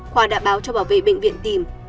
khoa đã báo cho bảo vệ bệnh viện tìm